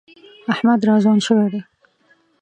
احمد را ځوان شوی دی.